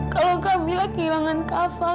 kalau kak mila kehilangan kak fadil